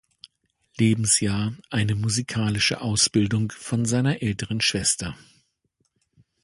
Lebensjahr eine musikalische Ausbildung von seiner älteren Schwester.